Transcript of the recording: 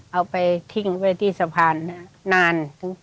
เอาไปทิ้งไว้ที่สะพานนาน